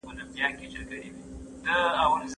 مدیر وویل چې ټول کارونه باید خلاص شي.